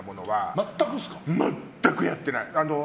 全くやってない。